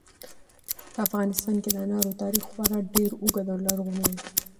په افغانستان کې د انارو تاریخ خورا ډېر اوږد او لرغونی دی.